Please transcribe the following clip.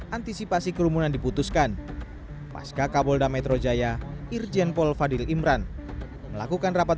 antisipasi kerumunan diputuskan pasca kapolda metro jaya irjen paul fadil imran melakukan rapat